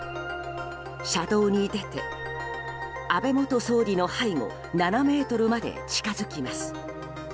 車道に出て、安倍元総理の背後７ｍまで近づきます。